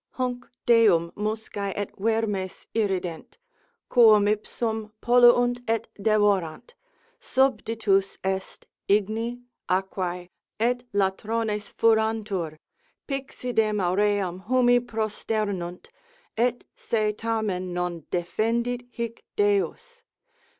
Hunc Deum muscae et vermes irrident, quum ipsum polluunt et devorant, subditus est igni, aquae, et latrones furantur, pixidem auream humi prosternunt, et se tamen non defendit hic Deus.